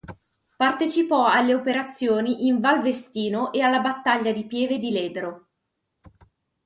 Partecipò alle operazioni in Val Vestino e alla battaglia di Pieve di Ledro.